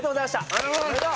ありがとうございます！